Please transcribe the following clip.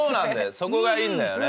そこがいいんだよね。